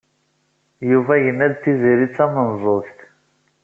Yuba yenna-d Tiziri d tamenzugt.